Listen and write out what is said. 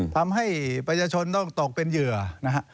ทำให้ประชาชนต้องตกเป็นเหยื่อนะฮะ